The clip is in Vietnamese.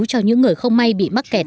cho những người không may bị mắc kẹt